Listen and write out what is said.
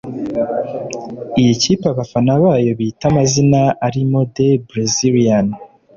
Iyi kipe abafana bayo bita amazina arimo “The Brazilians”